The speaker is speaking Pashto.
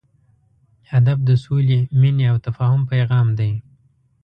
ادب د سولې، مینې او تفاهم پیغام دی.